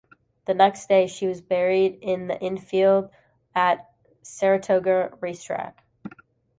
The next day, she was buried in the infield at Saratoga racetrack.